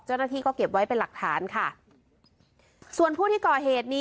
เจ้าหน้าที่ก็เก็บไว้เป็นหลักฐานค่ะส่วนผู้ที่ก่อเหตุนี้